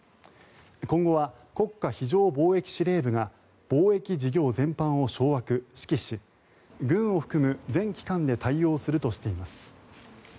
今後は国家非常防疫司令部が防疫事業全般を掌握・指揮し軍を含む全機関で対応するとしています。